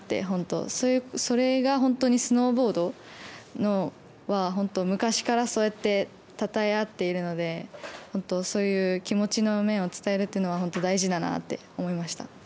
本当それが本当にスノーボードの昔から、そうやってたたえ合っているのでそういう気持ちの面を伝えるというのは本当大事だなって思いました。